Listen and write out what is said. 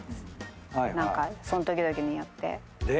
何かその時々によって。